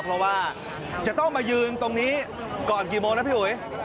เพราะว่าจะต้องมายืนตรงนี้ก่อนกี่โมงนะพี่อุ๋ย